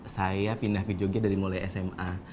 saya pindah ke jogja dari mulai sma